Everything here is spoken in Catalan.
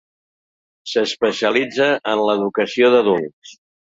S'especialitza en l'educació d'adults.